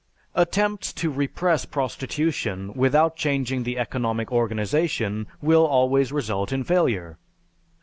Attempts to repress prostitution without changing the economic organization will always result in failure.